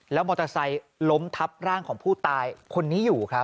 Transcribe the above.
มอเตอร์ไซค์ล้มทับร่างของผู้ตายคนนี้อยู่ครับ